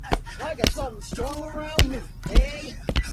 Narrator Ishmael, then, is merely young Ishmael grown older.